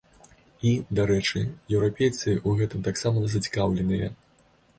І, дарэчы, еўрапейцы ў гэтым таксама зацікаўленыя.